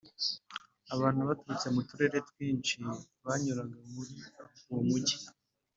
abantu baturutse mu turere twinshi banyuraga muri uwo mujyi,